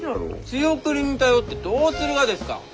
仕送りに頼ってどうするがですか！？